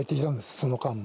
その間も。